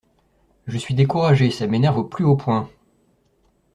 Je suis découragé, ça m’énerve au plus haut point!